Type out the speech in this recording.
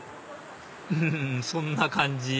うんそんな感じ